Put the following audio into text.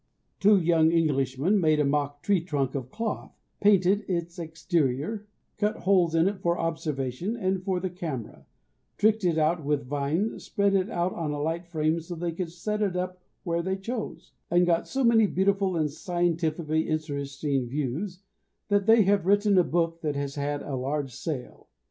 Two young Englishmen made a mock tree trunk of cloth, painted its exterior, cut holes in it for observation and for the camera, tricked it out with vines, spread it out on a light frame so they could set it up where they chose, and got so many beautiful and scientifically interesting views that they have written a book that has had a large sale.